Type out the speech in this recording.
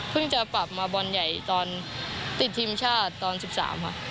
จะปรับมาบอลใหญ่ตอนติดทีมชาติตอน๑๓ค่ะ